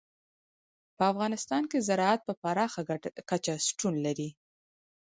په افغانستان کې زراعت په پراخه کچه شتون لري.